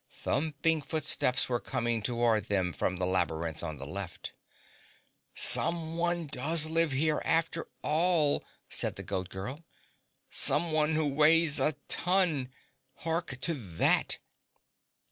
Thumping footsteps were coming toward them from the labyrinth on the left. "Someone does live here, after all," said the Goat Girl. "Someone who weighs a ton. Hark to that!"